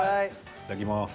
いただきます。